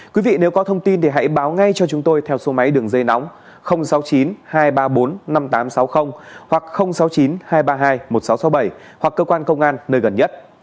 quý vị nếu có thông tin thì hãy báo ngay cho chúng tôi theo số máy đường dây nóng sáu mươi chín hai trăm ba mươi bốn năm nghìn tám trăm sáu mươi hoặc sáu mươi chín hai trăm ba mươi hai một nghìn sáu trăm sáu mươi bảy hoặc cơ quan công an nơi gần nhất